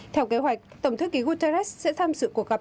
theo kế hoạch tổng thư ký guterres sẽ tham dự cuộc gặp